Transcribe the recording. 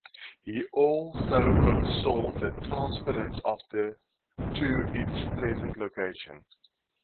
He also oversaw the transference of the to its present location.